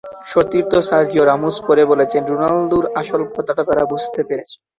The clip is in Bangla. সতীর্থ সার্জিও রামোস পরে বলেছেন, রোনালদোর আসল কথাটা তাঁরা বুঝতে পেরেছেন।